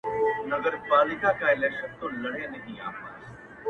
يا د نوي وجود مشروعیت هدف ندی